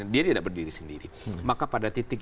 dia tidak berdiri sendiri maka pada titik